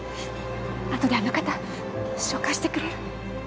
あとであの方紹介してくれる？